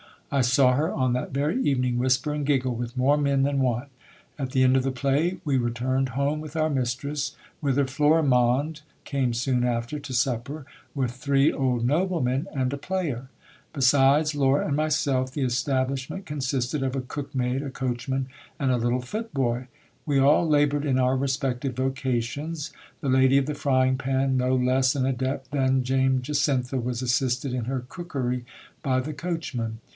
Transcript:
I saw her, on that very evening, whisper and giggle with more men than one. At the end of the play we returned home with our mistress, whither Florimonde came soon after to supper, with three old noblemen and a player. Besides Laura and myself, the establishment consisted of a cook maid, a coachman, and a little footboy. We all laboured in our respective vocations. The lady of the frying pan, no less an adept than Dame Jacintha, was assisted in her cookery by the coachman.